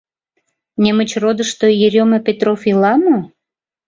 — Немычродышто Ерёма Петров ила мо?